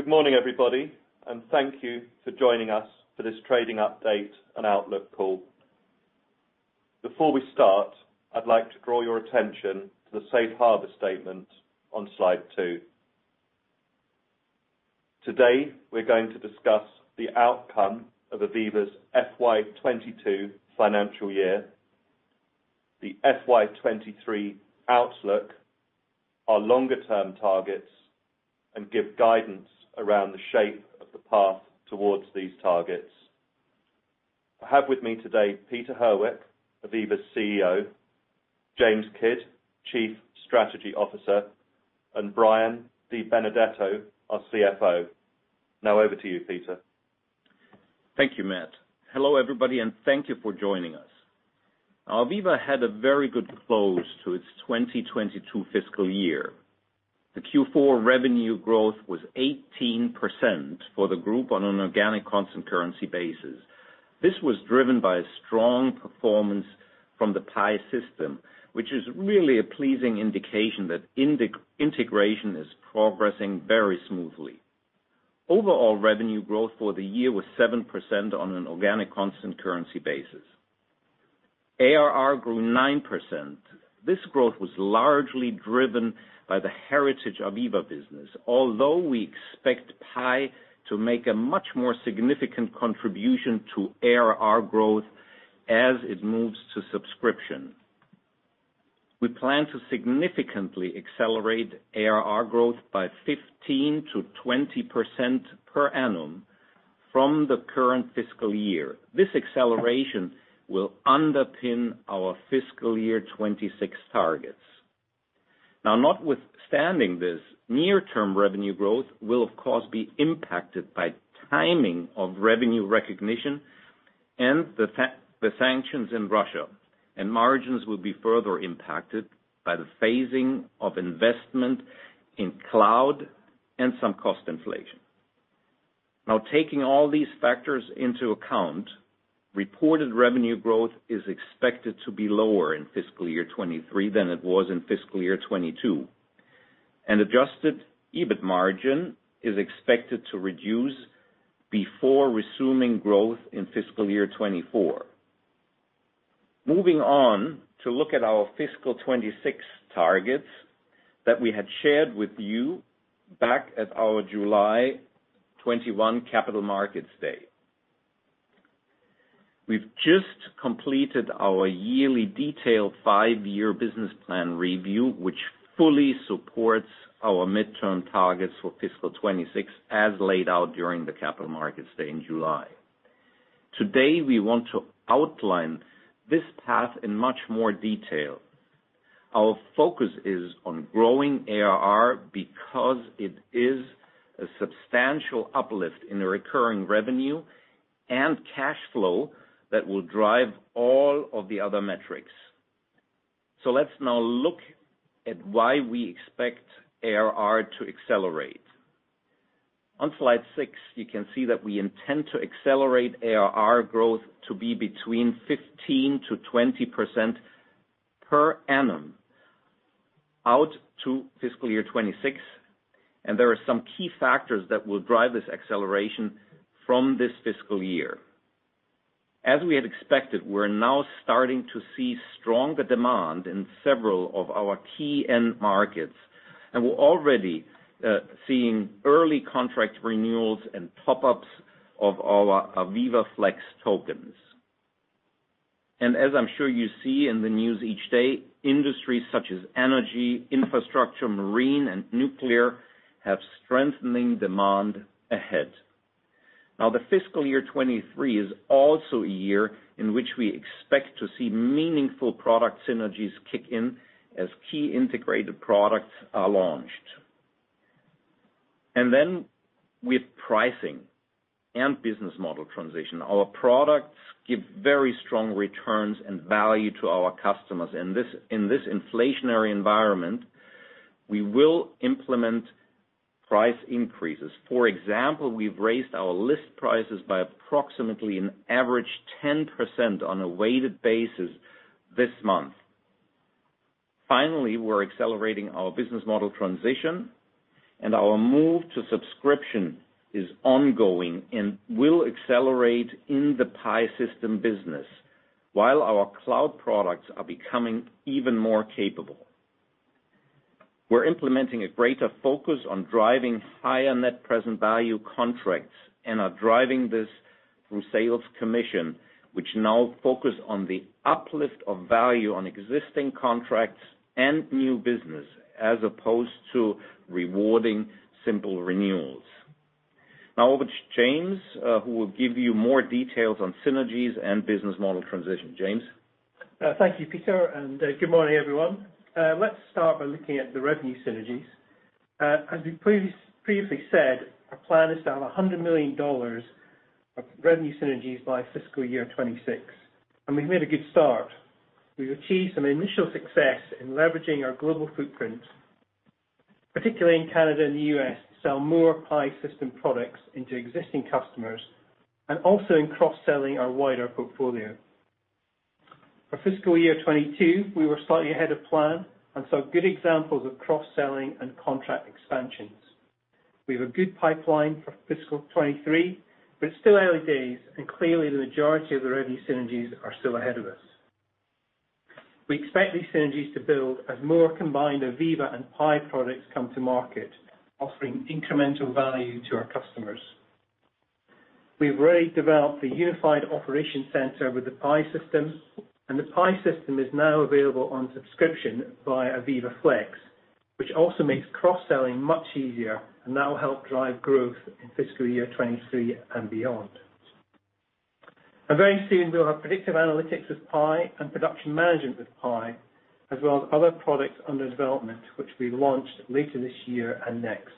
Good morning, everybody, and thank you for joining us for this trading update and outlook call. Before we start, I'd like to draw your attention to the safe harbor statement on slide two. Today, we're going to discuss the outcome of AVEVA's FY 2022 financial year, the FY 2023 outlook, our longer-term targets, and give guidance around the shape of the path towards these targets. I have with me today Peter Herweck, AVEVA's CEO, James Kidd, Chief Strategy Officer, and Brian DiBenedetto, our CFO. Now over to you, Peter. Thank you, Matt. Hello, everybody, and thank you for joining us. AVEVA had a very good close to its 2022 fiscal year. The Q4 revenue growth was 18% for the group on an organic constant currency basis. This was driven by a strong performance from the PI System, which is really a pleasing indication that integration is progressing very smoothly. Overall revenue growth for the year was 7% on an organic constant currency basis. ARR grew 9%. This growth was largely driven by the heritage AVEVA business, although we expect PI to make a much more significant contribution to ARR growth as it moves to subscription. We plan to significantly accelerate ARR growth by 15%-20% per annum from the current fiscal year. This acceleration will underpin our fiscal year 2026 targets. Now notwithstanding this, near term revenue growth will of course, be impacted by timing of revenue recognition and the sanctions in Russia. Margins will be further impacted by the phasing of investment in cloud and some cost inflation. Now taking all these factors into account, reported revenue growth is expected to be lower in fiscal year 2023 than it was in fiscal year 2022. Adjusted EBIT margin is expected to reduce before resuming growth in fiscal year 2024. Moving on to look at our fiscal 2026 targets that we had shared with you back at our July 2021 Capital Markets Day. We've just completed our yearly detailed five-year business plan review, which fully supports our midterm targets for fiscal 2026, as laid out during the Capital Markets Day in July. Today, we want to outline this path in much more detail. Our focus is on growing ARR because it is a substantial uplift in the recurring revenue and cash flow that will drive all of the other metrics. Let's now look at why we expect ARR to accelerate. On slide six, you can see that we intend to accelerate ARR growth to be between 15%-20% per annum out to fiscal year 2026, and there are some key factors that will drive this acceleration from this fiscal year. As we had expected, we're now starting to see stronger demand in several of our key end markets, and we're already seeing early contract renewals and top-ups of our AVEVA Flex tokens. As I'm sure you see in the news each day, industries such as energy, infrastructure, marine, and nuclear have strengthening demand ahead. Now the fiscal year 2023 is also a year in which we expect to see meaningful product synergies kick in as key integrated products are launched. With pricing and business model transition, our products give very strong returns and value to our customers. In this inflationary environment, we will implement price increases. For example, we've raised our list prices by approximately an average 10% on a weighted basis this month. Finally, we're accelerating our business model transition and our move to subscription is ongoing and will accelerate in the PI System business while our cloud products are becoming even more capable. We're implementing a greater focus on driving higher net present value contracts and are driving this through sales commission, which now focus on the uplift of value on existing contracts and new business, as opposed to rewarding simple renewals. Now over to James, who will give you more details on synergies and business model transition. James. Thank you, Peter, and good morning, everyone. Let's start by looking at the revenue synergies. As we previously said, our plan is to have $100 million of revenue synergies by fiscal year 2026, and we've made a good start. We've achieved some initial success in leveraging our global footprint, particularly in Canada and the U.S., to sell more PI System products into existing customers and also in cross-selling our wider portfolio. For fiscal year 2022, we were slightly ahead of plan and saw good examples of cross-selling and contract expansions. We have a good pipeline for fiscal 2023, but it's still early days, and clearly the majority of the revenue synergies are still ahead of us. We expect these synergies to build as more combined AVEVA and PI products come to market, offering incremental value to our customers. We've already developed a Unified Operations Center with the PI System, and the PI System is now available on subscription via AVEVA Flex, which also makes cross-selling much easier, and that will help drive growth in fiscal year 2023 and beyond. Very soon, we'll have Predictive Analytics with PI and Production Management with PI, as well as other products under development, which will be launched later this year and next.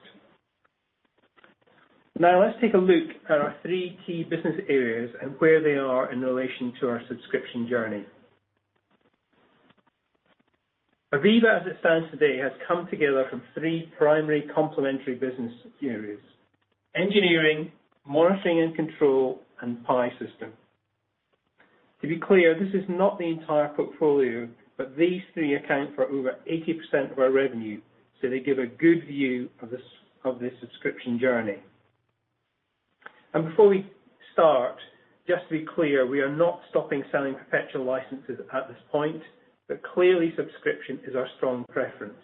Now let's take a look at our three key business areas and where they are in relation to our subscription journey. AVEVA, as it stands today, has come together from three primary complementary business areas, engineering, monitoring and control, and PI System. To be clear, this is not the entire portfolio, but these three account for over 80% of our revenue, so they give a good view of the subscription journey. Before we start, just to be clear, we are not stopping selling perpetual licenses at this point, but clearly subscription is our strong preference.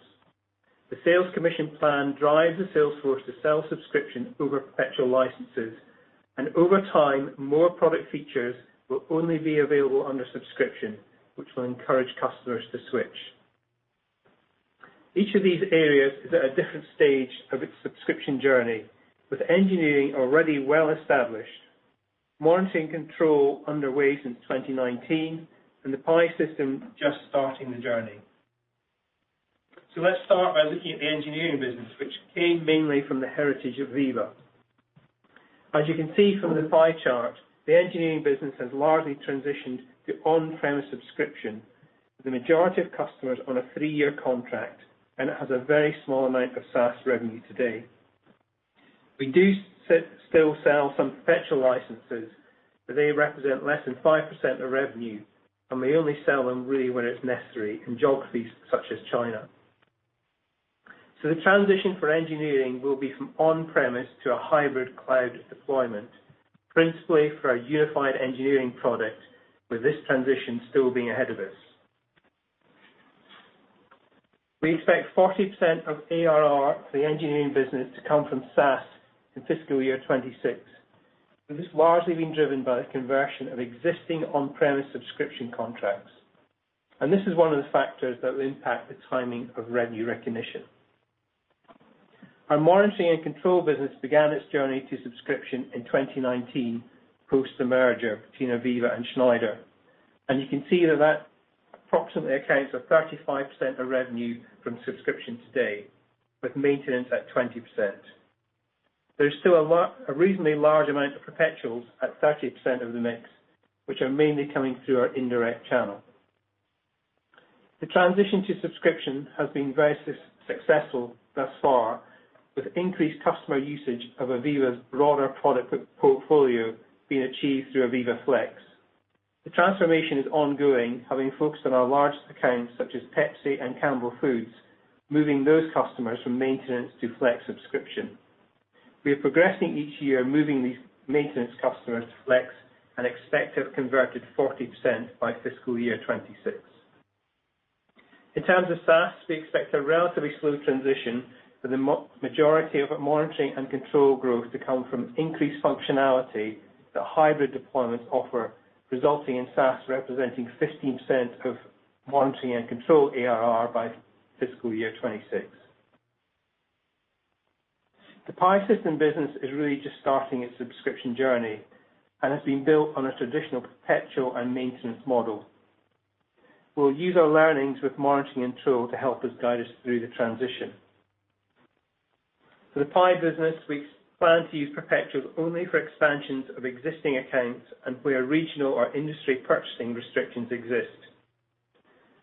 The sales commission plan drives the sales force to sell subscription over perpetual licenses. Over time, more product features will only be available under subscription, which will encourage customers to switch. Each of these areas is at a different stage of its subscription journey. With engineering already well established, monitoring control underway since 2019, and the PI System just starting the journey. Let's start by looking at the engineering business, which came mainly from the Heritage AVEVA. As you can see from the pie chart, the engineering business has largely transitioned to on-premise subscription, with the majority of customers on a three-year contract, and it has a very small amount of SaaS revenue today. We do still sell some perpetual licenses, but they represent less than 5% of revenue, and we only sell them really when it's necessary in geographies such as China. The transition for engineering will be from on-premise to a hybrid cloud deployment, principally for our Unified Engineering product, with this transition still being ahead of us. We expect 40% of ARR for the engineering business to come from SaaS in fiscal year 2026, with this largely being driven by the conversion of existing on-premise subscription contracts. This is one of the factors that will impact the timing of revenue recognition. Our monitoring and control business began its journey to subscription in 2019, post the merger between AVEVA and Schneider, and you can see that approximately accounts for 35% of revenue from subscription today, with maintenance at 20%. There's still a reasonably large amount of perpetuals at 30% of the mix, which are mainly coming through our indirect channel. The transition to subscription has been very successful thus far, with increased customer usage of AVEVA's broader product portfolio being achieved through AVEVA Flex. The transformation is ongoing, having focused on our largest accounts such as PepsiCo and Campbell Soup Company, moving those customers from maintenance to Flex subscription. We are progressing each year, moving these maintenance customers to Flex and expect to have converted 40% by fiscal year 2026. In terms of SaaS, we expect a relatively slow transition for the majority of our monitoring and control growth to come from increased functionality that hybrid deployments offer, resulting in SaaS representing 15% of monitoring and control ARR by fiscal year 2026. The PI System business is really just starting its subscription journey and has been built on a traditional perpetual and maintenance model. We'll use our learnings with monitoring and control to help us guide us through the transition. For the PI business, we plan to use perpetuals only for expansions of existing accounts and where regional or industry purchasing restrictions exist,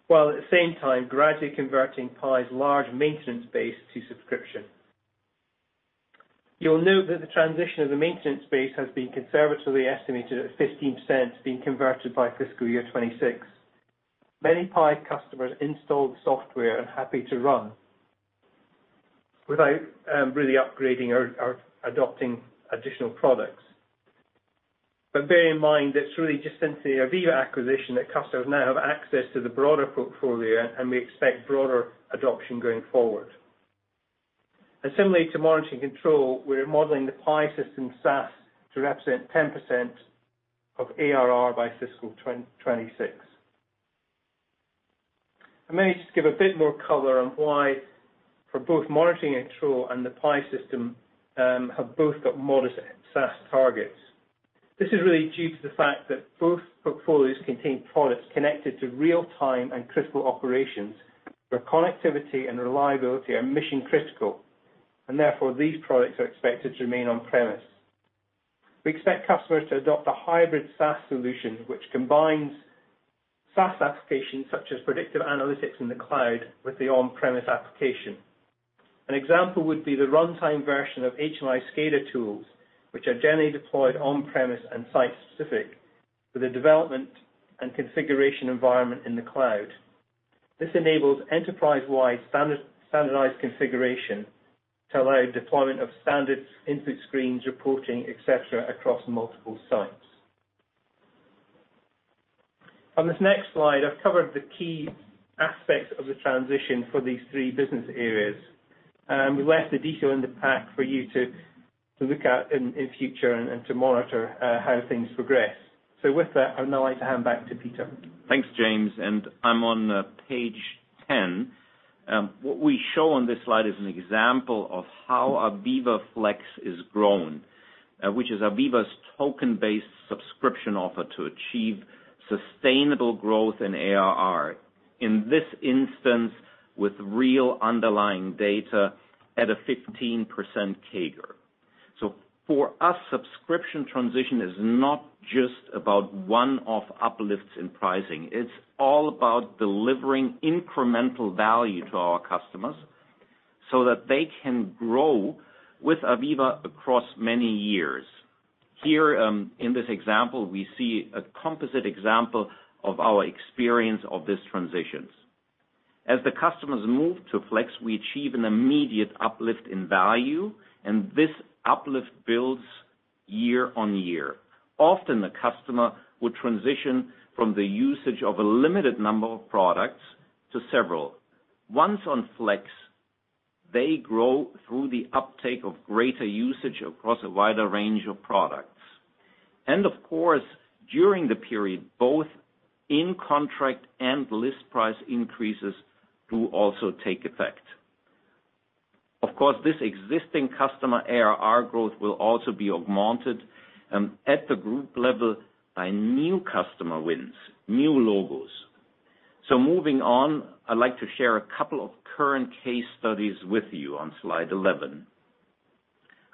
while at the same time gradually converting PI's large maintenance base to subscription. You'll note that the transition of the maintenance base has been conservatively estimated at 15% being converted by fiscal year 2026. Many PI customers install the software and happy to run without really upgrading or adopting additional products. Bear in mind, it's really just since the AVEVA acquisition that customers now have access to the broader portfolio, and we expect broader adoption going forward. Similarly to monitoring control, we're modeling the PI System SaaS to represent 10% of ARR by fiscal 2026. Maybe just give a bit more color on why for both monitoring and control and the PI System, have both got modest SaaS targets. This is really due to the fact that both portfolios contain products connected to real-time and critical operations, where connectivity and reliability are mission-critical, and therefore these products are expected to remain on-premise. We expect customers to adopt a hybrid SaaS solution which combines SaaS applications such as Predictive Analytics in the cloud with the on-premise application. An example would be the runtime version of HMI/SCADA tools, which are generally deployed on-premise and site-specific with a development and configuration environment in the cloud. This enables enterprise-wide standardized configuration to allow deployment of standard input screens, reporting, et cetera, across multiple sites. On this next slide, I've covered the key aspects of the transition for these three business areas. We left the detail in the pack for you to look at in future and to monitor how things progress. With that, I'd now like to hand back to Peter. Thanks, James, and I'm on page ten. What we show on this slide is an example of how AVEVA Flex has grown, which is AVEVA's token-based subscription offer to achieve sustainable growth in ARR. In this instance, with real underlying data at a 15% CAGR. For us, subscription transition is not just about one-off uplifts in pricing. It's all about delivering incremental value to our customers so that they can grow with AVEVA across many years. Here, in this example, we see a composite example of our experience of these transitions. As the customers move to Flex, we achieve an immediate uplift in value, and this uplift builds year-on-year. Often, the customer would transition from the usage of a limited number of products to several. Once on Flex, they grow through the uptake of greater usage across a wider range of products. Of course, during the period, both in contract and list price increases do also take effect. Of course, this existing customer ARR growth will also be augmented at the group level by new customer wins, new logos. Moving on, I'd like to share a couple of current case studies with you on slide 11.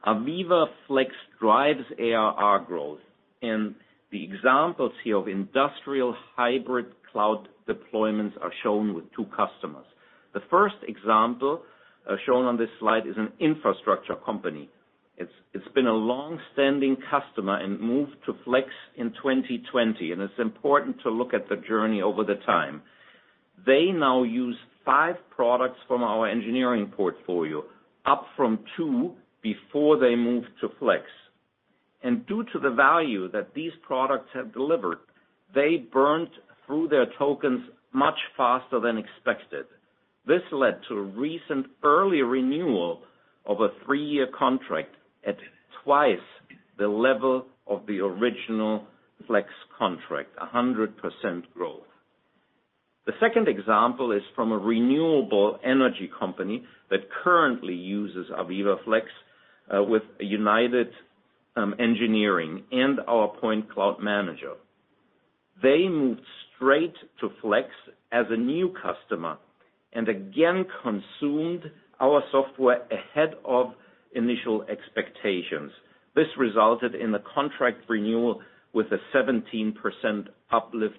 AVEVA Flex drives ARR growth, and the examples here of industrial hybrid cloud deployments are shown with two customers. The first example shown on this slide is an infrastructure company. It's been a long-standing customer and moved to Flex in 2020, and it's important to look at the journey over time. They now use five products from our engineering portfolio, up from two before they moved to Flex. Due to the value that these products have delivered, they burnt through their tokens much faster than expected. This led to a recent early renewal of a three-year contract at twice the level of the original Flex contract, 100% growth. The second example is from a renewable energy company that currently uses AVEVA Flex with United Engineering and our Point Cloud Manager. They moved straight to Flex as a new customer and again consumed our software ahead of initial expectations. This resulted in a contract renewal with a 17% uplift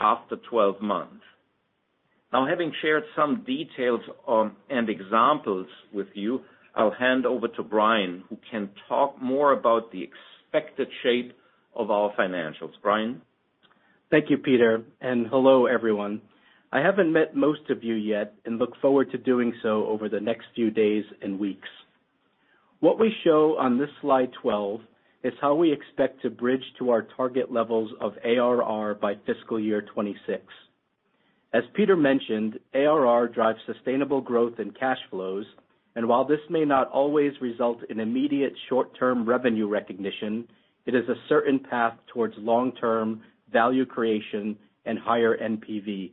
after 12-months. Now having shared some details on, and examples with you, I'll hand over to Brian, who can talk more about the expected shape of our financials. Brian? Thank you, Peter, and hello everyone. I haven't met most of you yet and look forward to doing so over the next few days and weeks. What we show on this slide 12 is how we expect to bridge to our target levels of ARR by fiscal year 2026. As Peter mentioned, ARR drives sustainable growth and cash flows, and while this may not always result in immediate short-term revenue recognition, it is a certain path towards long-term value creation and higher NPV.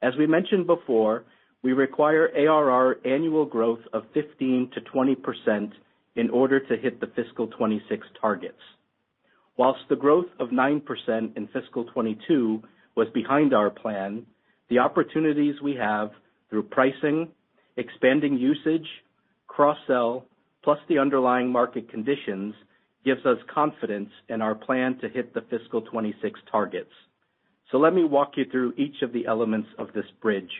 As we mentioned before, we require ARR annual growth of 15%-20% in order to hit the fiscal 2026 targets. While the growth of 9% in fiscal 2022 was behind our plan, the opportunities we have through pricing, expanding usage, cross-sell, plus the underlying market conditions gives us confidence in our plan to hit the fiscal 2026 targets. Let me walk you through each of the elements of this bridge.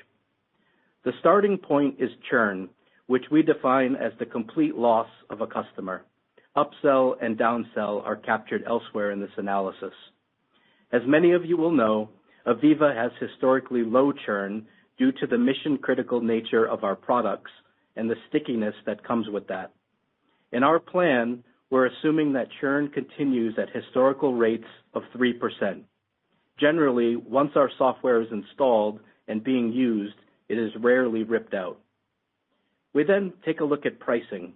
The starting point is churn, which we define as the complete loss of a customer. Upsell and downsell are captured elsewhere in this analysis. As many of you will know, AVEVA has historically low churn due to the mission-critical nature of our products and the stickiness that comes with that. In our plan, we're assuming that churn continues at historical rates of 3%. Generally, once our software is installed and being used, it is rarely ripped out. We then take a look at pricing.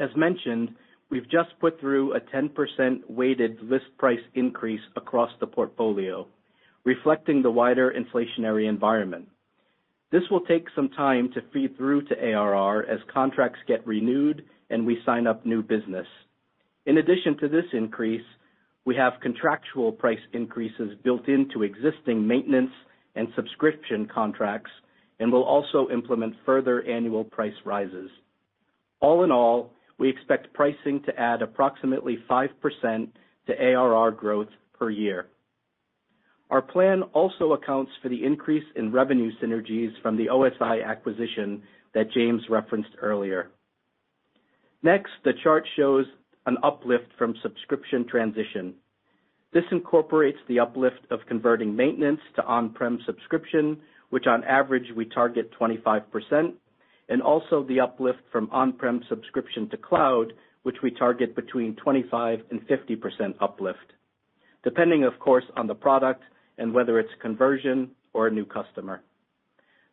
As mentioned, we've just put through a 10% weighted list price increase across the portfolio, reflecting the wider inflationary environment. This will take some time to feed through to ARR as contracts get renewed and we sign up new business. In addition to this increase, we have contractual price increases built into existing maintenance and subscription contracts, and we'll also implement further annual price rises. All in all, we expect pricing to add approximately 5% to ARR growth per year. Our plan also accounts for the increase in revenue synergies from the OSI acquisition that James referenced earlier. Next, the chart shows an uplift from subscription transition. This incorporates the uplift of converting maintenance to on-prem subscription, which on average we target 25%, and also the uplift from on-prem subscription to cloud, which we target between 25% and 50% uplift, depending of course, on the product and whether it's conversion or a new customer.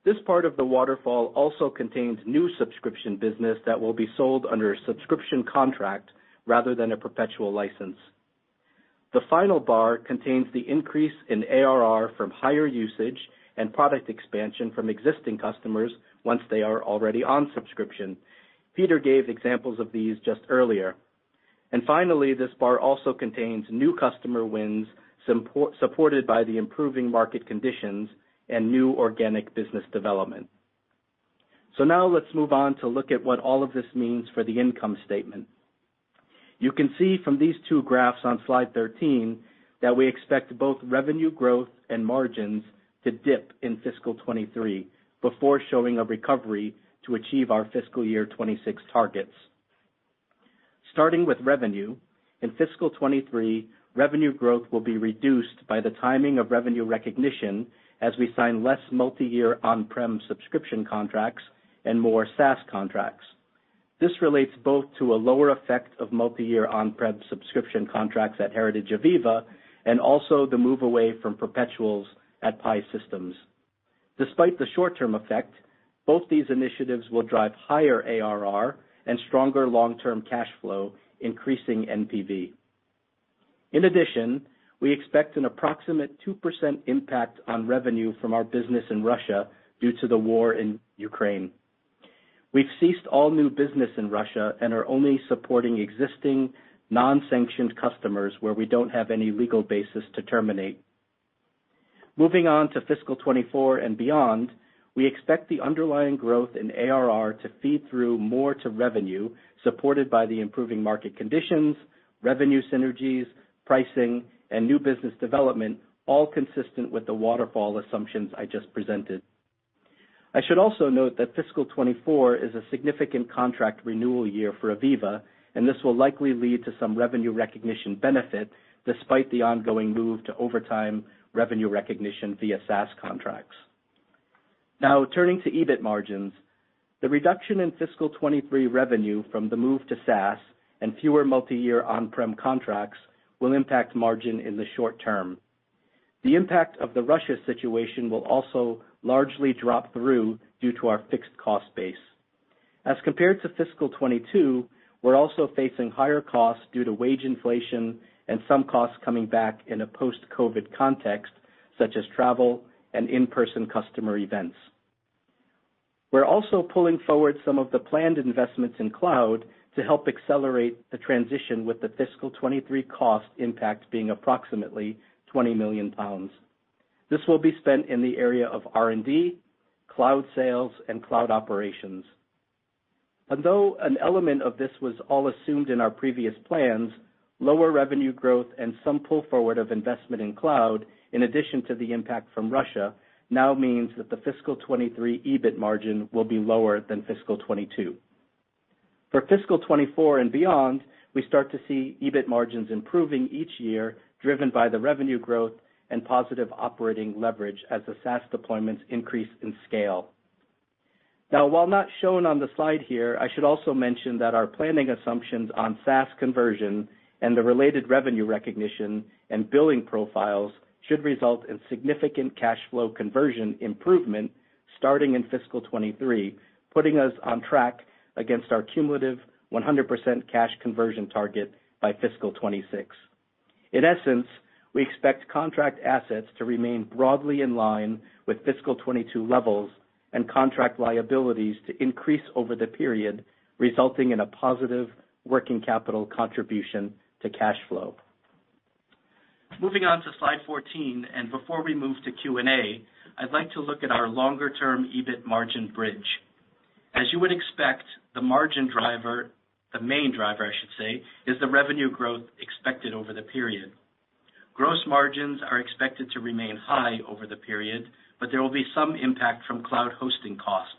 This part of the waterfall also contains new subscription business that will be sold under a subscription contract rather than a perpetual license. The final bar contains the increase in ARR from higher usage and product expansion from existing customers once they are already on subscription. Peter gave examples of these just earlier. Finally, this bar also contains new customer wins, supported by the improving market conditions and new organic business development. Now let's move on to look at what all of this means for the income statement. You can see from these two graphs on slide 13 that we expect both revenue growth and margins to dip in fiscal 2023 before showing a recovery to achieve our fiscal year 2026 targets. Starting with revenue, in fiscal 2023, revenue growth will be reduced by the timing of revenue recognition as we sign less multi-year on-prem subscription contracts and more SaaS contracts. This relates both to a lower effect of multi-year on-prem subscription contracts at Heritage AVEVA, and also the move away from perpetuals at PI System. Despite the short-term effect, both these initiatives will drive higher ARR and stronger long-term cash flow, increasing NPV. In addition, we expect an approximate 2% impact on revenue from our business in Russia due to the war in Ukraine. We've ceased all new business in Russia and are only supporting existing non-sanctioned customers where we don't have any legal basis to terminate. Moving on to fiscal 2024 and beyond, we expect the underlying growth in ARR to feed through more to revenue supported by the improving market conditions, revenue synergies, pricing, and new business development, all consistent with the waterfall assumptions I just presented. I should also note that fiscal 2024 is a significant contract renewal year for AVEVA, and this will likely lead to some revenue recognition benefit despite the ongoing move to over time revenue recognition via SaaS contracts. Now turning to EBIT margins. The reduction in fiscal 2023 revenue from the move to SaaS and fewer multi-year on-prem contracts will impact margin in the short-term. The impact of the Russia situation will also largely drop through due to our fixed cost base. As compared to fiscal 2022, we're also facing higher costs due to wage inflation and some costs coming back in a post-Covid context, such as travel and in-person customer events. We're also pulling forward some of the planned investments in cloud to help accelerate the transition with the fiscal 2023 cost impact being approximately 20 million pounds. This will be spent in the area of R&D, cloud sales, and cloud operations. Although an element of this was all assumed in our previous plans, lower revenue growth and some pull forward of investment in cloud in addition to the impact from Russia now means that the fiscal 2023 EBIT margin will be lower than fiscal 2022. For fiscal 2024 and beyond, we start to see EBIT margins improving each year, driven by the revenue growth and positive operating leverage as the SaaS deployments increase in scale. Now, while not shown on the slide here, I should also mention that our planning assumptions on SaaS conversion and the related revenue recognition and billing profiles should result in significant cash flow conversion improvement starting in fiscal 2023, putting us on track against our cumulative 100% cash conversion target by fiscal 2026. In essence, we expect contract assets to remain broadly in line with fiscal 2022 levels and contract liabilities to increase over the period, resulting in a positive working capital contribution to cash flow. Moving on to slide 14, before we move to Q&A, I'd like to look at our longer-term EBIT margin bridge. As you would expect, the margin driver, the main driver, I should say, is the revenue growth expected over the period. Gross margins are expected to remain high over the period, but there will be some impact from cloud hosting costs.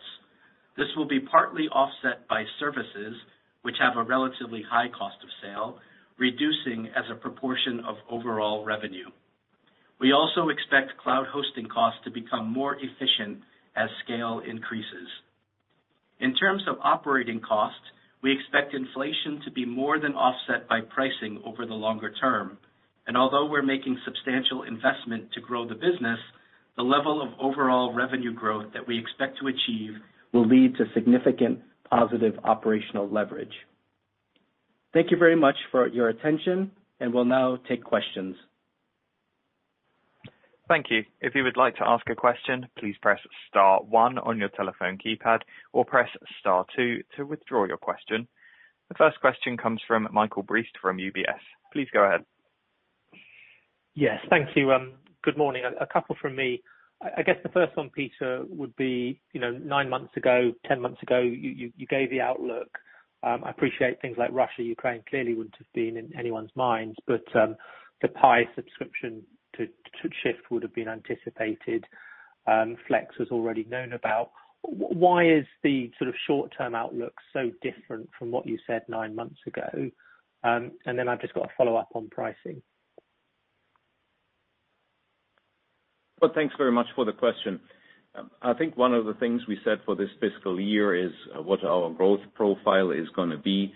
This will be partly offset by services which have a relatively high cost of sale, reducing as a proportion of overall revenue. We also expect cloud hosting costs to become more efficient as scale increases. In terms of operating costs, we expect inflation to be more than offset by pricing over the longer-term. Although we're making substantial investment to grow the business, the level of overall revenue growth that we expect to achieve will lead to significant positive operational leverage. Thank you very much for your attention, and we'll now take questions. Thank you. If you would like to ask a question, please press star one on your telephone keypad or press star two to withdraw your question. The first question comes from Michael Briest from UBS. Please go ahead. Yes, thank you. Good morning. A couple from me. I guess the first one, Peter, would be, you know, nine months ago, ten months ago, you gave the outlook. I appreciate things like Russia, Ukraine clearly wouldn't have been in anyone's minds, but the PI subscription to shift would have been anticipated. Flex was already known about. Why is the sort of short-term outlook so different from what you said nine months ago? I've just got a follow-up on pricing. Well, thanks very much for the question. I think one of the things we said for this fiscal year is what our growth profile is gonna be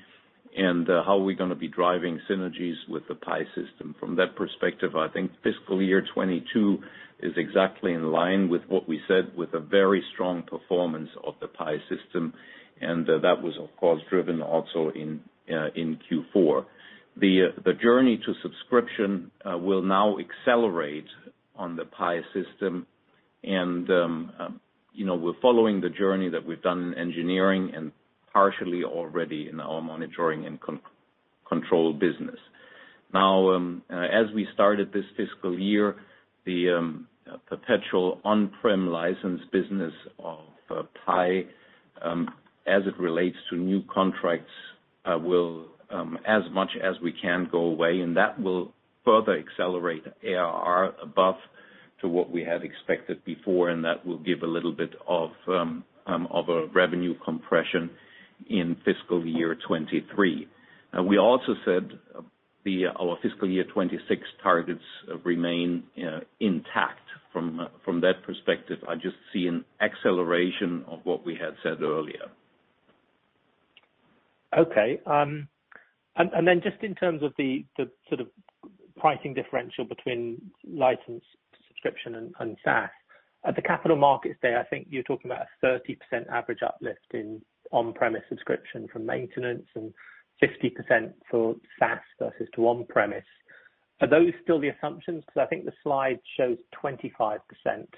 and how we're gonna be driving synergies with the PI System. From that perspective, I think fiscal year 2022 is exactly in line with what we said with a very strong performance of the PI System, and that was of course driven also in Q4. The journey to subscription will now accelerate on the PI System and, you know, we're following the journey that we've done in engineering and partially already in our monitoring and control business. Now, as we started this fiscal year, the perpetual on-prem license business of PI, as it relates to new contracts, will go away as much as we can, and that will further accelerate ARR above what we had expected before, and that will give a little bit of a revenue compression in fiscal year 2023. Now we also said, our fiscal year 2026 targets remain intact. From that perspective, I just see an acceleration of what we had said earlier. Okay. Just in terms of the sort of pricing differential between license subscription and SaaS. At the Capital Markets Day, I think you're talking about a 30% average uplift in on-premise subscription from maintenance and 50% for SaaS versus to on-premise. Are those still the assumptions? 'Cause I think the slide shows 25%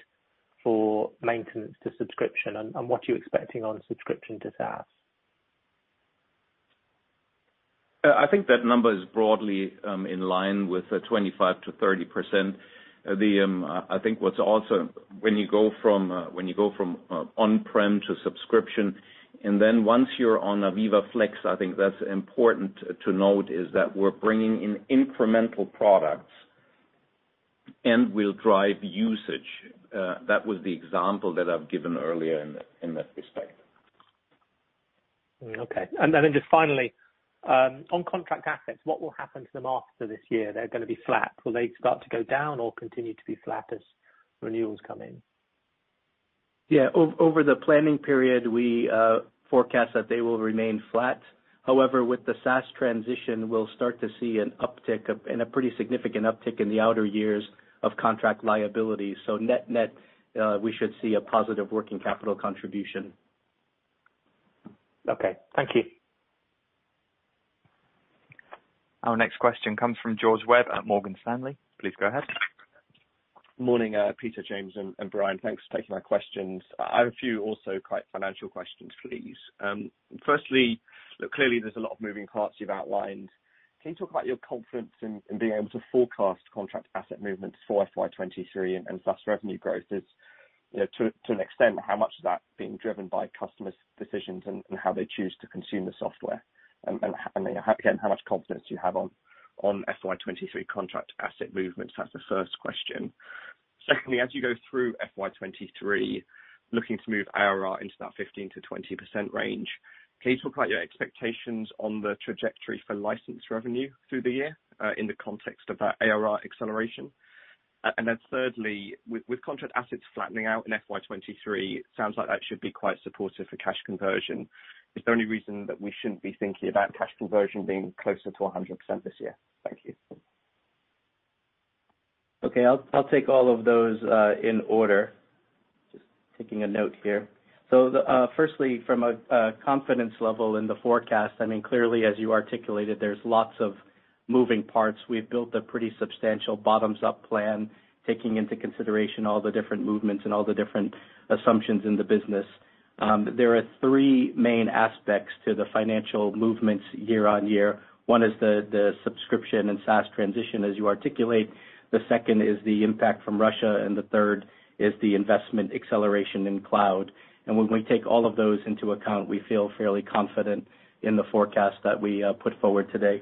for maintenance to subscription, and what you're expecting on subscription to SaaS. I think that number is broadly in line with 25%-30%. I think what's also, when you go from on-prem to subscription, and then once you're on AVEVA Flex, I think that's important to note, is that we're bringing in incremental products and will drive usage. That was the example that I've given earlier in that respect. Okay. Just finally, on contract assets, what will happen to them after this year? They're gonna be flat. Will they start to go down or continue to be flat as renewals come in? Yeah. Over the planning period, we forecast that they will remain flat. However, with the SaaS transition, we'll start to see an uptick of, and a pretty significant uptick in the outer years of contract liability. Net-net, we should see a positive working capital contribution. Okay. Thank you. Our next question comes from George Webb at Morgan Stanley. Please go ahead. Morning, Peter, James, and Brian. Thanks for taking my questions. I have a few also quite financial questions for you. Firstly, look, clearly there's a lot of moving parts you've outlined. Can you talk about your confidence in being able to forecast contract asset movements for FY 2023 and SaaS revenue growth is, you know, to an extent how much of that being driven by customers' decisions and how they choose to consume the software? I mean, again, how much confidence do you have on FY 2023 contract asset movements? That's the first question. Secondly, as you go through FY 2023, looking to move ARR into that 15%-20% range, can you talk about your expectations on the trajectory for licensed revenue through the year, in the context of that ARR acceleration? Thirdly, with contract assets flattening out in FY 2023, sounds like that should be quite supportive for cash conversion. Is there any reason that we shouldn't be thinking about cash conversion being closer to 100% this year? Thank you. Okay. I'll take all of those in order. Just taking a note here. Firstly, from a confidence level in the forecast, I mean, clearly as you articulated, there's lots of moving parts. We've built a pretty substantial bottoms-up plan, taking into consideration all the different movements and all the different assumptions in the business. There are three main aspects to the financial movements year-on-year. One is the subscription and SaaS transition as you articulate. The second is the impact from Russia, and the third is the investment acceleration in cloud. When we take all of those into account, we feel fairly confident in the forecast that we put forward today.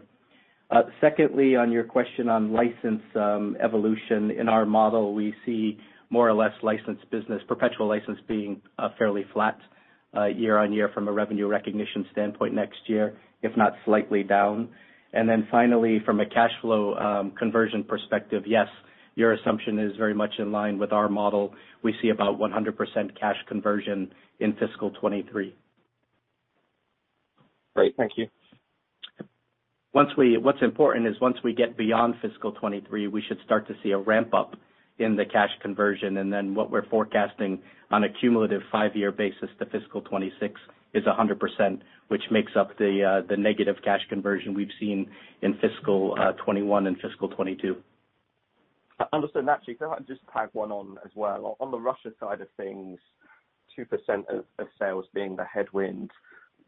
Secondly, on your question on license evolution. In our model, we see more or less licensed business, perpetual license being fairly flat year-on-year from a revenue recognition standpoint next year, if not slightly down. Then finally, from a cash flow conversion perspective, yes, your assumption is very much in line with our model. We see about 100% cash conversion in fiscal 2023. Great. Thank you. What's important is once we get beyond fiscal 2023, we should start to see a ramp up in the cash conversion, and then what we're forecasting on a cumulative five-year basis to fiscal 2026 is 100%, which makes up the negative cash conversion we've seen in fiscal 2021 and fiscal 2022. I understand that. Actually, can I just tag one on as well? On the Russia side of things, 2% of sales being the headwind,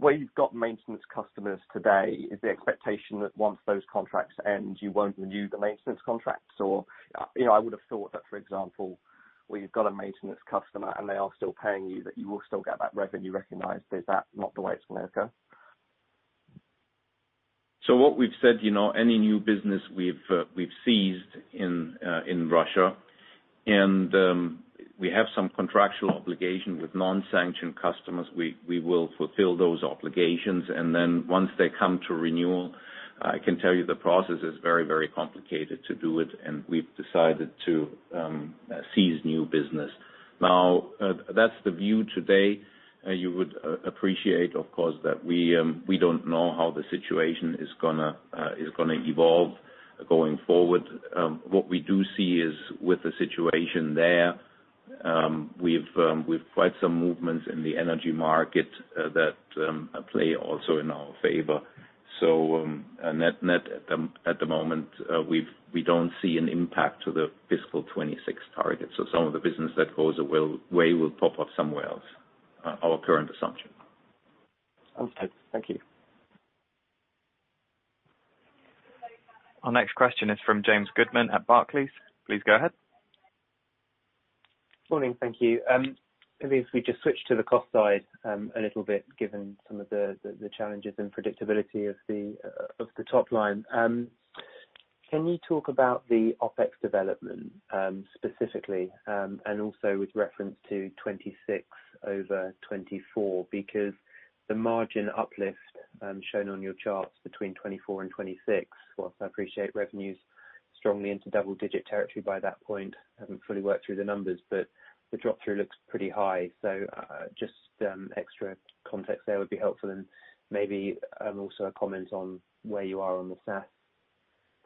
where you've got maintenance customers today, is the expectation that once those contracts end, you won't renew the maintenance contracts or, you know, I would have thought that, for example, where you've got a maintenance customer and they are still paying you, that you will still get that revenue recognized. Is that not the way it's gonna go? What we've said, you know, any new business we've ceased in Russia and we have some contractual obligations with non-sanctioned customers. We will fulfill those obligations. Once they come to renewal, I can tell you the process is very, very complicated to do it, and we've decided to cease new business. Now, that's the view today. You would appreciate, of course, that we don't know how the situation is gonna evolve going forward. What we do see is with the situation there, we've quite some movements in the energy market that play also in our favor. Net at the moment, we don't see an impact to the fiscal 2026 target. some of the business that goes away will pop up somewhere else, our current assumption. Okay. Thank you. Our next question is from James Goodman at Barclays. Please go ahead. Morning. Thank you. At least we just switched to the cost side, a little bit, given some of the challenges and predictability of the top line. Can you talk about the OpEx development, specifically, and also with reference to 2026 over 2024? Because the margin uplift shown on your charts between 2024 and 2026, while I appreciate revenue's strongly into double-digit territory by that point, haven't fully worked through the numbers, but the drop through looks pretty high. Just extra context there would be helpful and maybe also a comment on where you are on the SaaS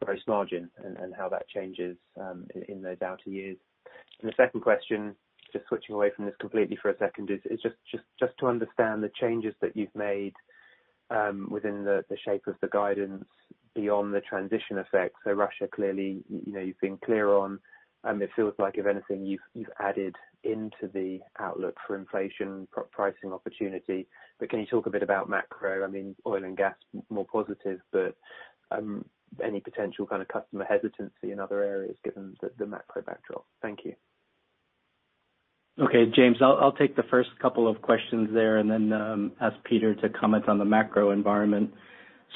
gross margin and how that changes in those outer years. The second question, just switching away from this completely for a second, is just to understand the changes that you've made within the shape of the guidance beyond the transition effect. Russia, clearly, you know, you've been clear on. It feels like if anything, you've added into the outlook for inflation pricing opportunity. But can you talk a bit about macro? I mean oil and gas, more positive, but any potential kind of customer hesitancy in other areas given the macro backdrop? Thank you. Okay, James, I'll take the first couple of questions there and then ask Peter to comment on the macro environment.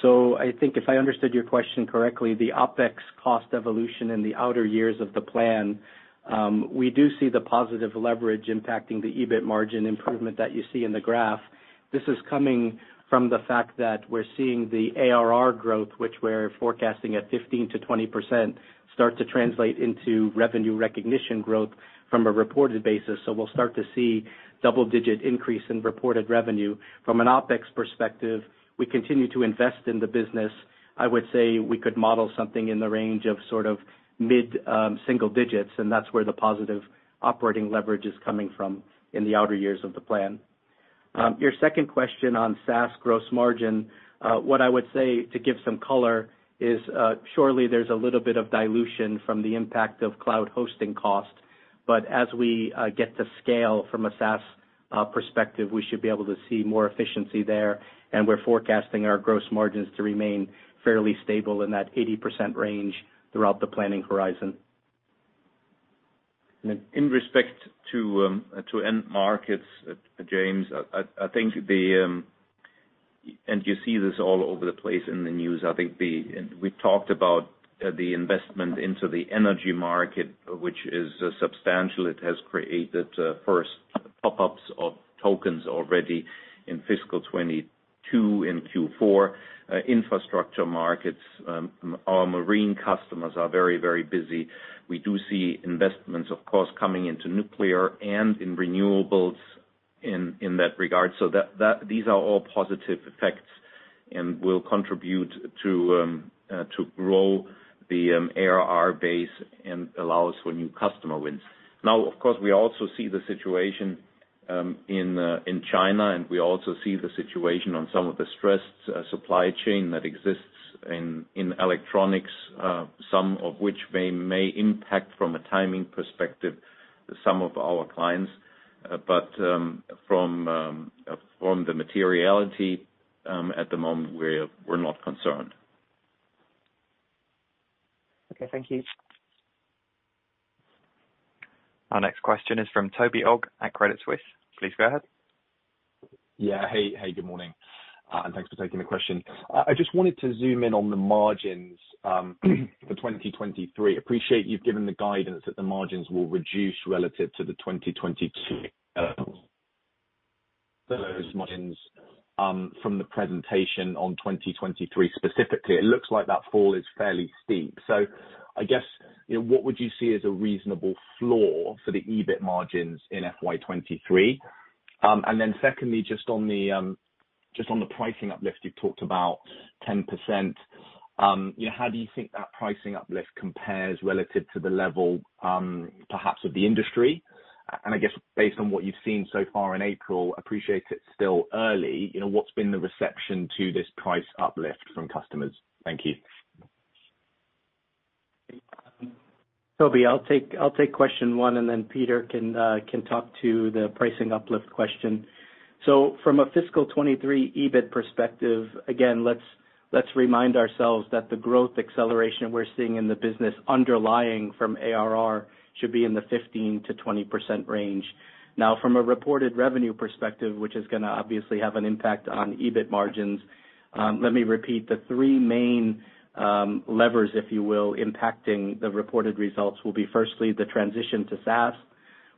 I think if I understood your question correctly, the OpEx cost evolution in the outer years of the plan, we do see the positive leverage impacting the EBIT margin improvement that you see in the graph. This is coming from the fact that we're seeing the ARR growth, which we're forecasting at 15%-20%, start to translate into revenue recognition growth from a reported basis. We'll start to see double-digit increase in reported revenue. From an OpEx perspective, we continue to invest in the business. I would say we could model something in the range of sort of mid-single digits, and that's where the positive operating leverage is coming from in the outer years of the plan. Your second question on SaaS gross margin, what I would say to give some color is, surely there's a little bit of dilution from the impact of cloud hosting costs. As we get to scale from a SaaS perspective, we should be able to see more efficiency there, and we're forecasting our gross margins to remain fairly stable in that 80% range throughout the planning horizon. In respect to end markets, James, I think you see this all over the place in the news. I think, and we talked about the investment into the energy market, which is substantial. It has created first pop-ups of tokens already in fiscal 2022 Q4 infrastructure markets. Our marine customers are very busy. We do see investments, of course, coming into nuclear and in renewables in that regard. That these are all positive effects and will contribute to grow the ARR base and allow us for new customer wins. Now, of course, we also see the situation in China, and we also see the situation on some of the stressed supply chain that exists in electronics, some of which may impact from a timing perspective, some of our clients. From the materiality, at the moment, we're not concerned. Okay. Thank you. Our next question is from Toby Ogg at Credit Suisse. Please go ahead. Yeah. Hey, good morning, and thanks for taking the question. I just wanted to zoom in on the margins for 2023. Appreciate you've given the guidance that the margins will reduce relative to the 2022 margins. From the presentation on 2023 specifically, it looks like that fall is fairly steep. I guess, you know, what would you see as a reasonable floor for the EBIT margins in FY 2023? Then secondly, just on the pricing uplift, you've talked about 10%. You know, how do you think that pricing uplift compares relative to the level, perhaps of the industry? I guess based on what you've seen so far in April, appreciate it's still early, you know, what's been the reception to this price uplift from customers? Thank you. Toby, I'll take question one, and then Peter can talk to the pricing uplift question. From a fiscal 2023 EBIT perspective, again, let's remind ourselves that the growth acceleration we're seeing in the business underlying from ARR should be in the 15%-20% range. Now, from a reported revenue perspective, which is gonna obviously have an impact on EBIT margins, let me repeat the three main levers, if you will, impacting the reported results will be firstly, the transition to SaaS,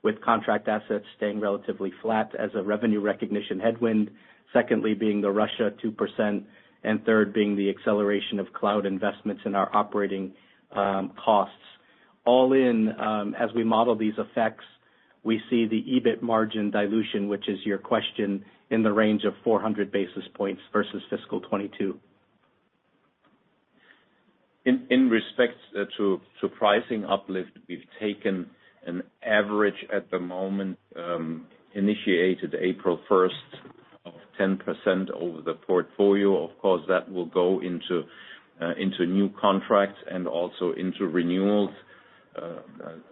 with contract assets staying relatively flat as a revenue recognition headwind. Secondly, being the Russia 2%, and third being the acceleration of cloud investments in our operating costs. All in, as we model these effects, we see the EBIT margin dilution, which is your question, in the range of 400 basis points versus fiscal 2022. In respect to pricing uplift, we've taken an average at the moment, initiated April first of 10% over the portfolio. Of course, that will go into new contracts and also into renewals.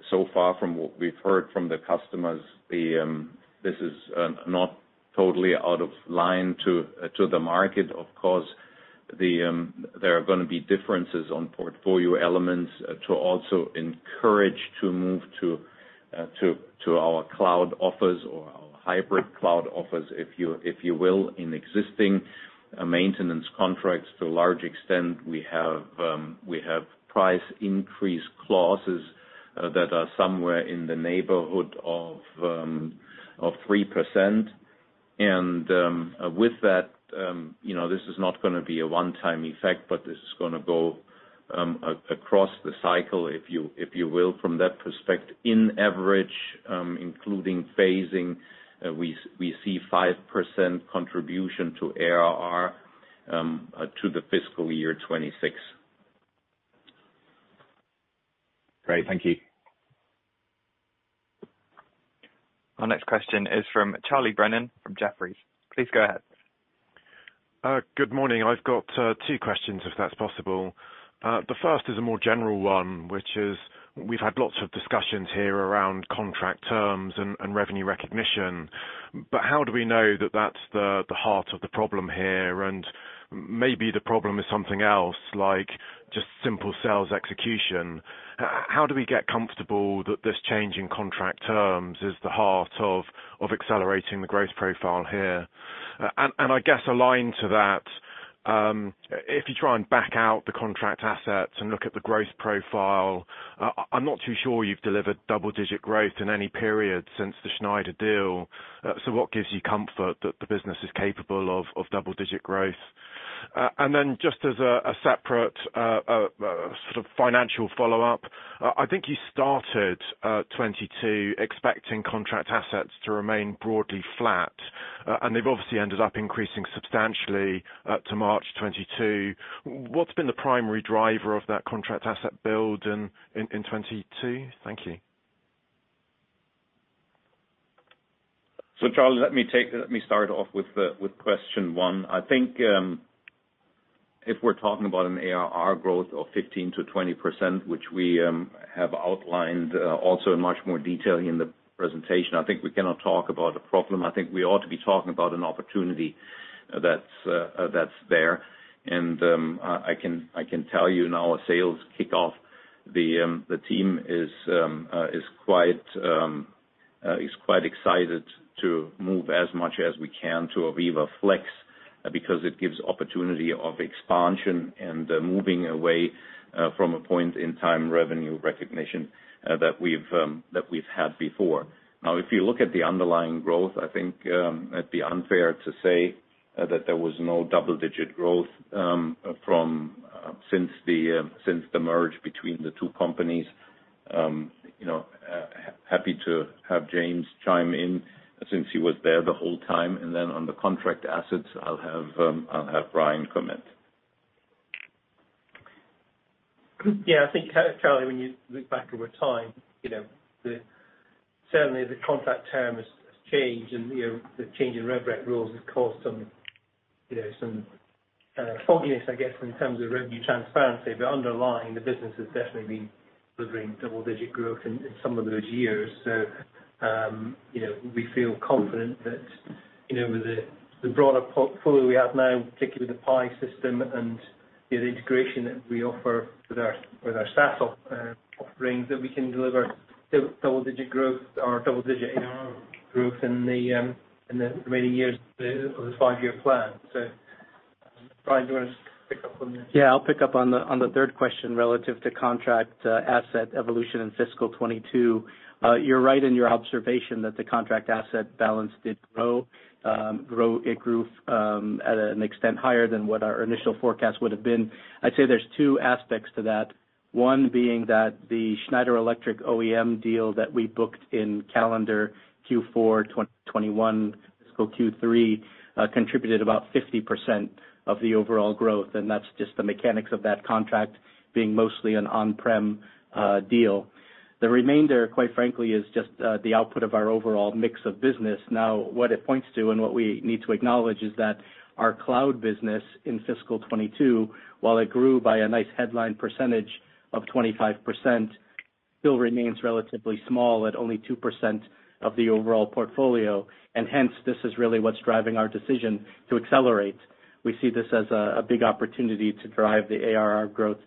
So far from what we've heard from the customers, this is not totally out of line with the market. Of course, there are gonna be differences on portfolio elements to also encourage to move to our cloud offers or our hybrid cloud offers, if you will, in existing maintenance contracts. To a large extent, we have price increase clauses that are somewhere in the neighborhood of 3%. With that, you know, this is not gonna be a one-time effect, but this is gonna go across the cycle, if you will, from that perspective. On average, including phasing, we see 5% contribution to ARR to the fiscal year 2026. Great. Thank you. Our next question is from Charles Brennan from Jefferies. Please go ahead. Good morning. I've got two questions, if that's possible. The first is a more general one, which is we've had lots of discussions here around contract terms and revenue recognition. How do we know that that's the heart of the problem here? Maybe the problem is something else, like just simple sales execution. How do we get comfortable that this change in contract terms is the heart of accelerating the growth profile here? I guess aligned to that, if you try and back out the contract assets and look at the growth profile, I'm not too sure you've delivered double-digit growth in any period since the Schneider deal. What gives you comfort that the business is capable of double-digit growth? Just as a separate sort of financial follow-up, I think you started 2022 expecting contract assets to remain broadly flat, and they've obviously ended up increasing substantially to March 2022. What's been the primary driver of that contract asset build in 2022? Thank you. Charlie, let me start off with question one. I think if we're talking about an ARR growth of 15%-20%, which we have outlined also in much more detail in the presentation, I think we cannot talk about a problem. I think we ought to be talking about an opportunity that's there. I can tell you in our sales kickoff, the team is quite excited to move as much as we can to AVEVA Flex because it gives opportunity of expansion and moving away from a point in time revenue recognition that we've had before. Now, if you look at the underlying growth, I think it'd be unfair to say that there was no double-digit growth from since the merger between the two companies. You know, happy to have James chime in since he was there the whole time. On the contract assets, I'll have Brian comment. Yeah, I think, Charlie, when you look back over time, you know, certainly the contract term has changed and, you know, the change in rev rec rules has caused some, you know, some fogginess, I guess, in terms of revenue transparency. Underlying, the business has definitely been delivering double-digit growth in some of those years. You know, we feel confident that, you know, with the broader portfolio we have now, particularly the PI System and the integration that we offer with our SaaS offerings, that we can deliver double-digit growth or double-digit ARR growth in the remaining years of the five-year plan. Brian, do you wanna pick up on this? Yeah, I'll pick up on the third question relative to contract asset evolution in fiscal 2022. You're right in your observation that the contract asset balance did grow. It grew at an extent higher than what our initial forecast would have been. I'd say there's two aspects to that. One being that the Schneider Electric OEM deal that we booked in calendar Q4 2021, fiscal Q3, contributed about 50% of the overall growth, and that's just the mechanics of that contract being mostly an on-prem deal. The remainder, quite frankly, is just the output of our overall mix of business. Now, what it points to and what we need to acknowledge is that our cloud business in fiscal 2022, while it grew by a nice headline percentage of 25%, still remains relatively small at only 2% of the overall portfolio. Hence, this is really what's driving our decision to accelerate. We see this as a big opportunity to drive the ARR growth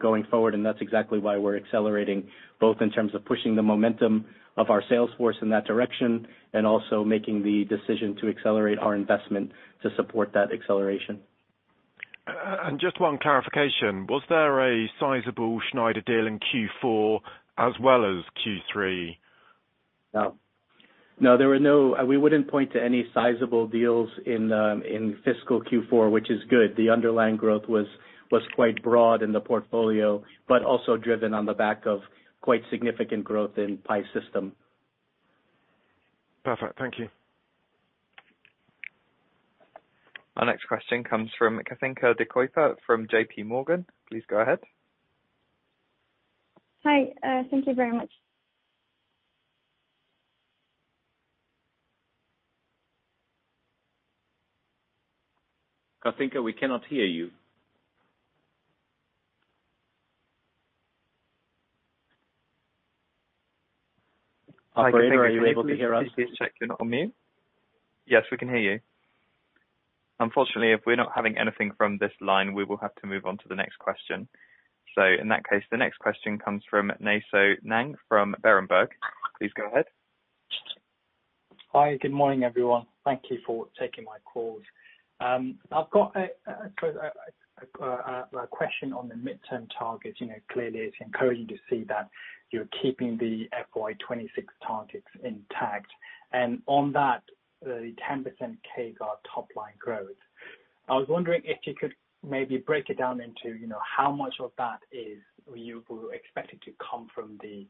going forward, and that's exactly why we're accelerating, both in terms of pushing the momentum of our sales force in that direction and also making the decision to accelerate our investment to support that acceleration. Just one clarification. Was there a sizable Schneider deal in Q4 as well as Q3? No. We wouldn't point to any sizable deals in fiscal Q4, which is good. The underlying growth was quite broad in the portfolio, but also driven on the back of quite significant growth in PI System. Perfect. Thank you. Our next question comes from Kathinka de Kuyper from JP Morgan. Please go ahead. Hi, thank you very much. Kathinka, we cannot hear you. Operator, are you able to hear us? Please check you're not on mute. Yes, we can hear you. Unfortunately, if we're not having anything from this line, we will have to move on to the next question. In that case, the next question comes from Nay Soe Naing from Berenberg. Please go ahead. Hi, good morning, everyone. Thank you for taking my call. I've got a question on the midterm target. You know, clearly it's encouraging to see that you're keeping the FY 2026 targets intact. On that, the 10% CAGR top-line growth. I was wondering if you could maybe break it down into, you know, how much of that is you expected to come from the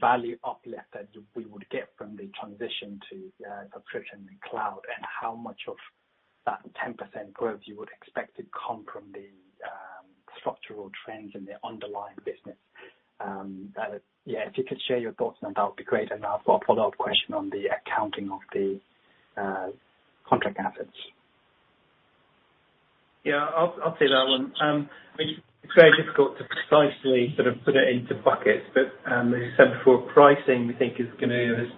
value uplift that we would get from the transition to subscription and cloud, and how much of that 10% growth you would expect to come from the structural trends in the underlying business. If you could share your thoughts on that would be great. I've got a follow-up question on the accounting of the contract assets. Yeah, I'll take that one. I mean, it's very difficult to precisely sort of put it into buckets, but as you said before, pricing we think is gonna give us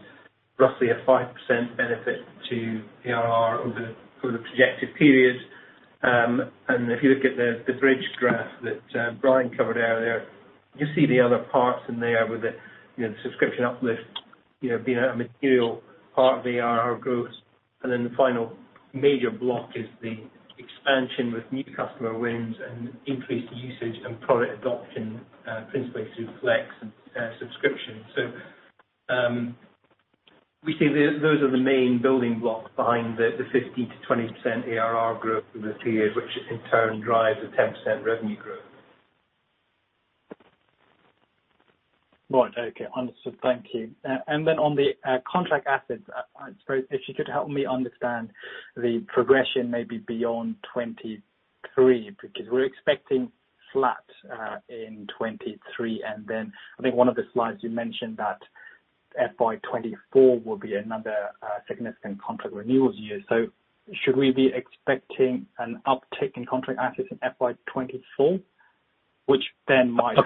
roughly a 5% benefit to ARR over the projected period. And if you look at the bridge graph that Brian covered earlier, you see the other parts in there with the, you know, subscription uplift, you know, being a material part of the ARR growth. Then the final major block is the expansion with new customer wins and increased usage and product adoption, principally through Flex and subscription. We see those are the main building blocks behind the 15%-20% ARR growth over the period, which in turn drives the 10% revenue growth. Right. Okay. Understood. Thank you. On the contract assets, I suppose if you could help me understand the progression maybe beyond 2023, because we're expecting flat in 2023. I think one of the slides you mentioned that FY 2024 will be another significant contract renewals year. Should we be expecting an uptick in contract assets in FY 2024, which then might.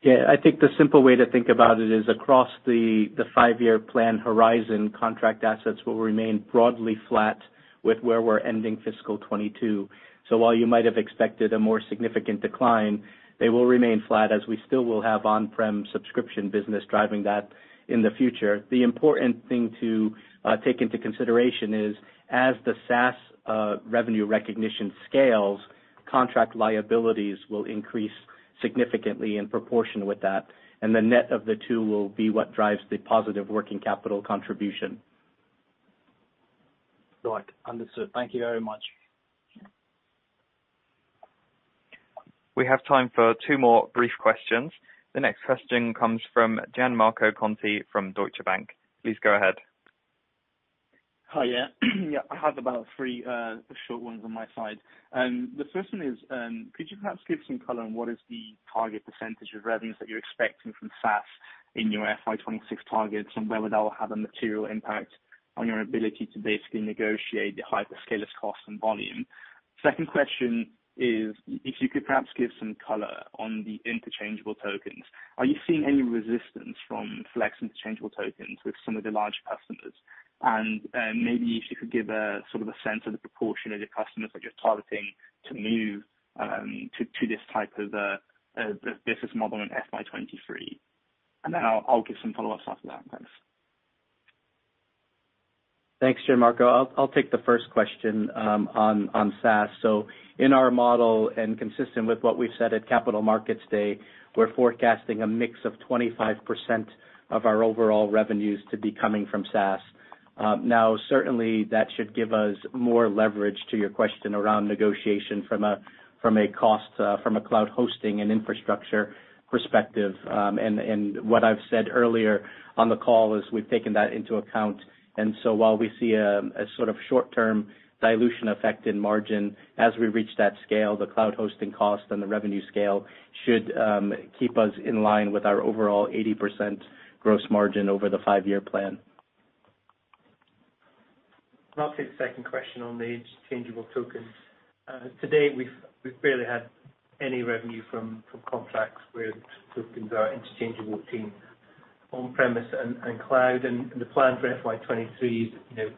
Yeah, I think the simple way to think about it is across the five-year plan horizon, contract assets will remain broadly flat with where we're ending fiscal 2022. While you might have expected a more significant decline, they will remain flat as we still will have on-prem subscription business driving that in the future. The important thing to take into consideration is as the SaaS revenue recognition scales, contract liabilities will increase significantly in proportion with that, and the net of the two will be what drives the positive working capital contribution. Right. Understood. Thank you very much. We have time for two more brief questions. The next question comes from Gianmarco Conti from Deutsche Bank. Please go ahead. Hi. Yeah. Yeah, I have about three short ones on my side. The first one is, could you perhaps give some color on what is the target percentage of revenues that you're expecting from SaaS in your FY 2026 targets, and whether that will have a material impact on your ability to basically negotiate the hyperscalers' cost and volume? Second question is if you could perhaps give some color on the interchangeable tokens. Are you seeing any resistance from Flex interchangeable tokens with some of the larger customers? And, maybe if you could give a sort of a sense of the proportion of the customers that you're targeting to move to this type of business model in FY 2023. And then I'll give some follow-ups after that. Thanks. Thanks, Gianmarco. I'll take the first question on SaaS. In our model, and consistent with what we've said at Capital Markets Day, we're forecasting a mix of 25% of our overall revenues to be coming from SaaS. Now, certainly that should give us more leverage to your question around negotiation from a cost, from a cloud hosting and infrastructure perspective. And what I've said earlier on the call is we've taken that into account. While we see a sort of short-term dilution effect in margin as we reach that scale, the cloud hosting cost and the revenue scale should keep us in line with our overall 80% gross margin over the five-year plan. I'll take the second question on the interchangeable tokens. Today we've barely had any revenue from contracts where tokens are interchangeable between on-premise and cloud. The plan for FY2023 is, you know,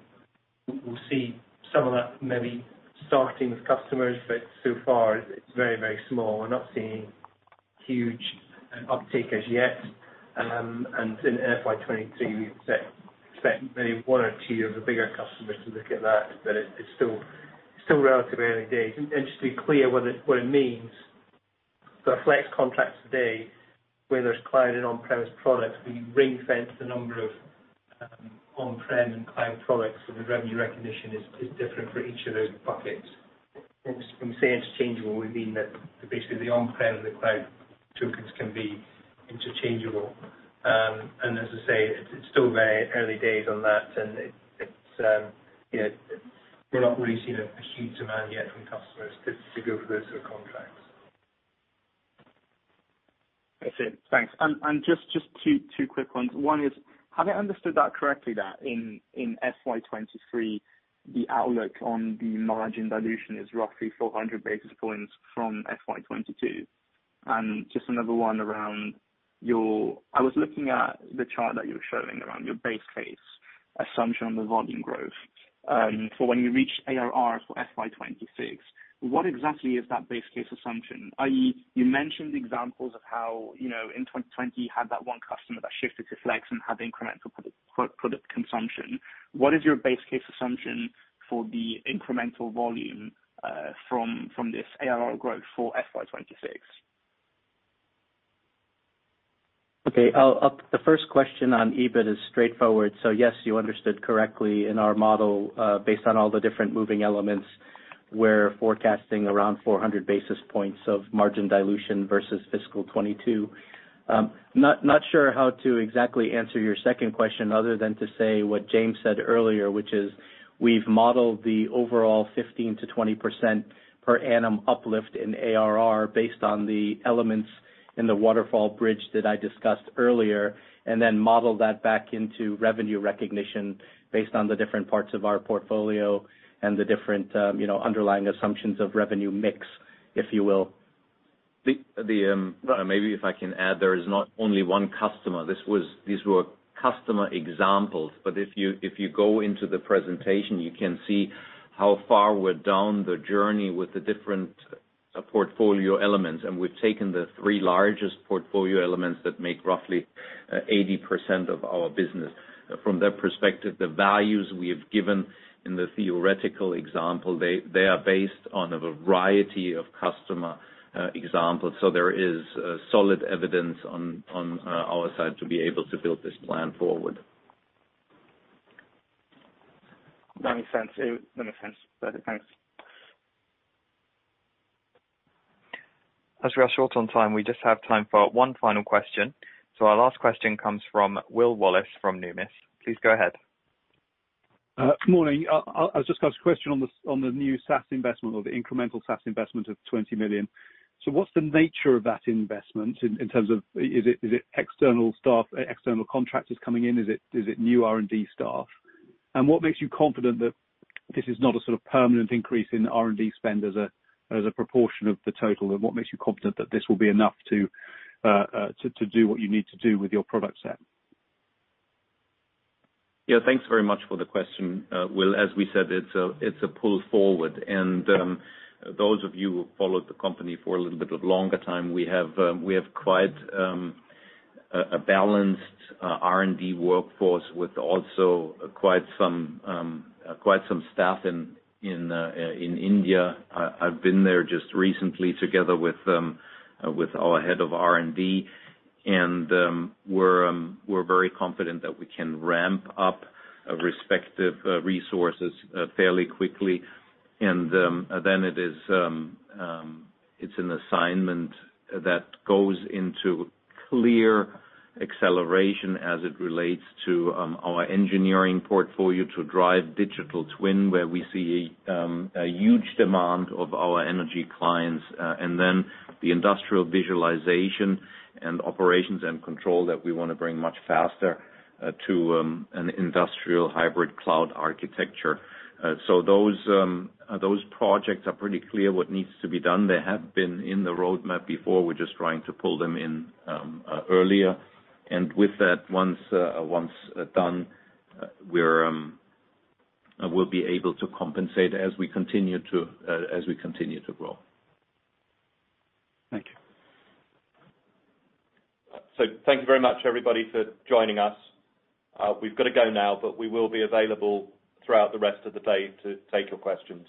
we'll see some of that maybe starting with customers, but so far it's very small. We're not seeing huge uptake as yet. In FY2023, we'd expect maybe one or two of the bigger customers to look at that. It's still relatively early days. Just to be clear what it means, for our Flex contracts today, where there's cloud and on-premise products, we ring-fence the number of on-prem and cloud products, so the revenue recognition is different for each of those buckets. When we say interchangeable, we mean that basically the on-prem and the cloud tokens can be interchangeable. As I say, it's still very early days on that and it's, you know, we're not really seeing a huge demand yet from customers to go for those sort of contracts. That's it. Thanks. Just two quick ones. One is, have I understood that correctly that in FY2023, the outlook on the margin dilution is roughly 400 basis points from FY2022? Just another one around your. I was looking at the chart that you were showing around your base case assumption on the volume growth. For when you reach ARR for FY2026, what exactly is that base case assumption? i.e. you mentioned the examples of how, you know, in 2020, you had that one customer that shifted to Flex and had incremental product consumption. What is your base case assumption for the incremental volume, from this ARR growth for FY2026? Okay. The first question on EBIT is straightforward. Yes, you understood correctly. In our model, based on all the different moving elements, we're forecasting around 400 basis points of margin dilution versus fiscal 2022. Not sure how to exactly answer your second question other than to say what James said earlier, which is we've modeled the overall 15%-20% per annum uplift in ARR based on the elements in the waterfall bridge that I discussed earlier, and then modeled that back into revenue recognition based on the different parts of our portfolio and the different, you know, underlying assumptions of revenue mix, if you will. Maybe if I can add, there is not only one customer. These were customer examples. If you go into the presentation, you can see how far we're down the journey with the different portfolio elements. We've taken the three largest portfolio elements that make roughly 80% of our business. From their perspective, the values we have given in the theoretical example, they are based on a variety of customer examples. There is solid evidence on our side to be able to build this plan forward. That makes sense. It makes sense. Perfect. Thanks. As we are short on time, we just have time for one final question. Our last question comes from Will Wallis from Numis. Please go ahead. Good morning. I just have a question on the new SaaS investment or the incremental SaaS investment of 20 million. What's the nature of that investment in terms of is it external staff, external contractors coming in? Is it new R&D staff? What makes you confident that this is not a sort of permanent increase in R&D spend as a proportion of the total? What makes you confident that this will be enough to do what you need to do with your product set? Yeah. Thanks very much for the question, Will. As we said, it's a pull forward. Those of you who followed the company for a little bit longer-time, we have quite a balanced R&D workforce with also quite some staff in India. I've been there just recently together with our head of R&D, and we're very confident that we can ramp up respective resources fairly quickly. It is an assignment that goes into clear acceleration as it relates to our engineering portfolio to drive digital twin, where we see a huge demand of our energy clients, and then the industrial visualization and operations and control that we wanna bring much faster to an industrial hybrid cloud architecture. Those projects are pretty clear what needs to be done. They have been in the roadmap before. We're just trying to pull them in earlier. With that, once done, we'll be able to compensate as we continue to grow. Thank you. Thank you very much, everybody, for joining us. We've got to go now, but we will be available throughout the rest of the day to take your questions.